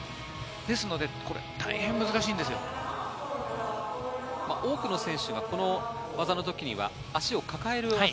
ですので、大変難しい多くの選手がこの技の時には足を抱える。